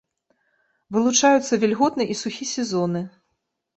Вылучаюцца вільготны і сухі сезоны.